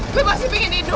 gue masih pingin hidup